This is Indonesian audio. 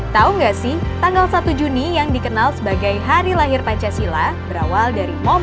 tahu nggak sih tanggal satu juni yang dikenal sebagai hari lahir pancasila berawal dari momen